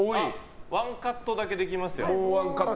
ワンカットだけできますよ。